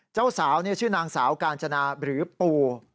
เจ้าสาวชื่อนางสาวกาญจนาหรือปู